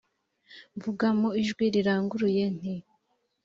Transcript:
mvuga mu ijwi riranguruye nti